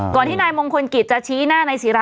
ที่นายมงคลกิจจะชี้หน้านายศิรา